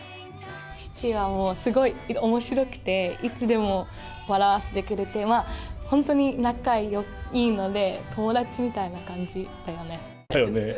父はもうすごいおもしろくて、いつでも笑わせてくれて、本当に仲いいので、友達みたいな感じだだよね！